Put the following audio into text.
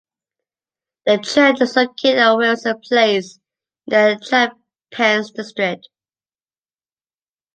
The church is located at Wilson place, in the Charpennes district.